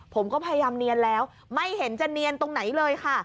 ผมก็พยายามเนียนแล้วไม่เห็นจะเนียนตรงไหนเลยค่ะ